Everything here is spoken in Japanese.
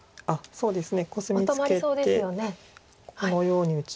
そうですね。